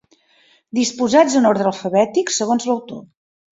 Disposats en ordre alfabètic segons l'autor.